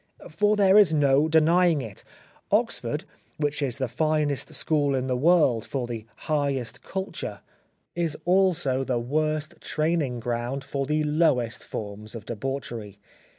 For there is no use denying it : Oxford, which is the finest school in the world for the highest culture, is also the worst training 121 The Life of Oscar Wilde ground for the lowest forms of debauchery.